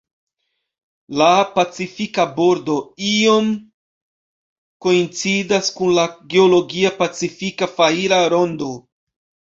La "Pacifika Bordo" iom koincidas kun la geologia Pacifika fajra rondo.